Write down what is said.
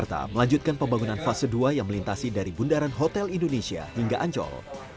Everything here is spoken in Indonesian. jakarta melanjutkan pembangunan fase dua yang melintasi dari bundaran hotel indonesia hingga ancol